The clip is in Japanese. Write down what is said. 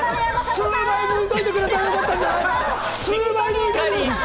数枚、むいておいてくれたらよかったんじゃない？